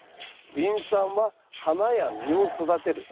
リン酸は花や実を育てる。